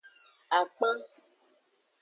Akpan.